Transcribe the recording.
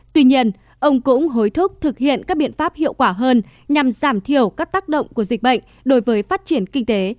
tuy nhiên ông cũng hối thúc thực hiện các biện pháp hiệu quả hơn nhằm giảm thiểu các tác động của dịch bệnh đối với phát triển kinh tế